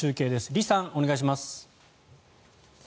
リさん、お願いします。